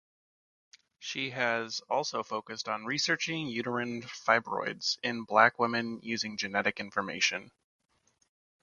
She has also focused on researching uterine fibroids in black women using genetic information.